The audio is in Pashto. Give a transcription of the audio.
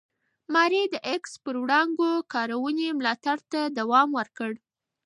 ماري د ایکس وړانګو کارونې ملاتړ ته دوام ورکړ.